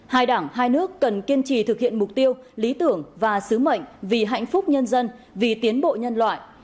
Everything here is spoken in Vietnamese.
hai đảng hai nước cần kiên trì thực hiện mục tiêu lý tưởng và sứ mệnh vì hạnh phúc nhân dân vì tiến bộ nhân loại